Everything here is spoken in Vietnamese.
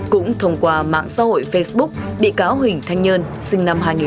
cũng thông qua mạng xã hội facebook bị cáo huỳnh thanh nhơn sinh năm hai nghìn